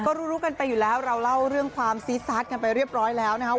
ก็รู้รู้กันไปอยู่แล้วเราเล่าเรื่องความซีซาสกันไปเรียบร้อยแล้วนะครับ